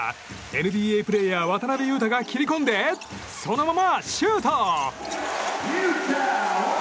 ＮＢＡプレーヤー、渡邊雄太が切り込んでそのままシュート！